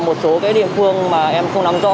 một số cái địa phương mà em không nắm rõ